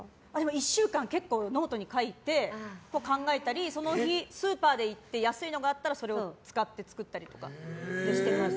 １週間結構ノートに書いて考えたりその日、スーパーで行って安いのがあったらそれを使って作ったりとかしてます。